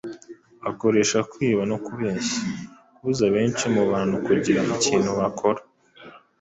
Akoresha kwiba no kubeshya, kubuza abenshi mu bantu kugira ikintu bakora